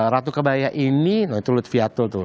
ratu kebaya ini itu luthvia tool tuh